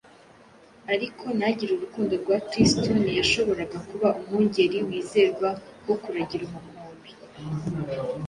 ariko ntagire urukundo rwa kristo ntiyashoboraga kuba umwungeri wizerwa wo kuragira umukumbi